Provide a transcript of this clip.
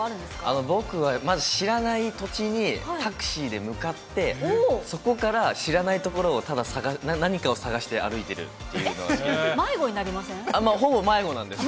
僕は、まず知らない土地にタクシーで向かって、そこから知らない所をただ、何かを探して歩いてるというのが好きです。